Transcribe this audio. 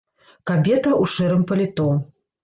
Кабета ў шэрым паліто.